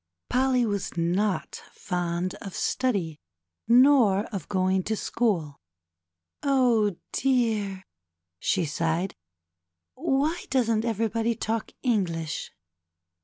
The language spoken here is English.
Polly was not fond of study nor of going to school. Oh, dear," she sighed, ^^why doesn't everybody talk English